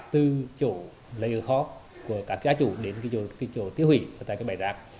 từ chỗ lấy ở khó của các gia chủ đến chỗ tiêu hủy tại bãi rạc